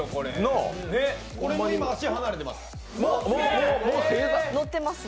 これ、今、足離れてます。